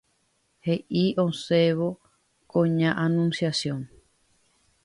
He'i osẽvo ko ña Anunciación